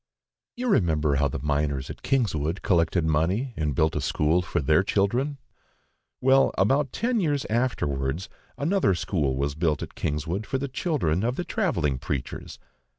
You remember how the miners at Kingswood collected money and built a school for their children. Well, about ten years afterwards, another school was built at Kingswood for the children of the travelling preachers.